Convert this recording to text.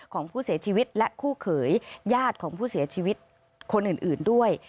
ของผู้เสียชีวิตและคู่เขยญาติของผู้เสียชีวิตคนอื่นด้วย